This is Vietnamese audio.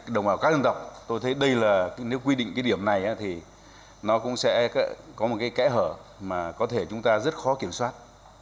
đồng bào các dân tộc tôi thấy đây là nếu quy định cái điểm này thì nó cũng sẽ có một cái kẽ hở mà có thể chúng ta rất khó kiểm soát